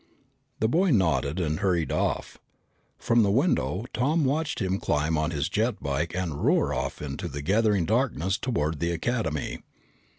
The boy nodded and hurried off. From the window, Tom watched him climb on his jet bike and roar off into the gathering darkness toward the Academy.